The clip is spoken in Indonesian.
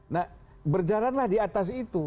nah berjalanlah di atas itu